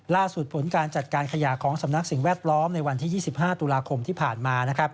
ผลการจัดการขยะของสำนักสิ่งแวดล้อมในวันที่๒๕ตุลาคมที่ผ่านมา